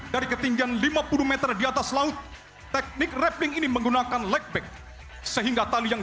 dari ketinggian lima puluh m diatas laut teknik ini menggunakan legback sehingga tali yang